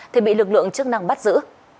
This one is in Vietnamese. thì bị lực lượng chức năng bắt giữ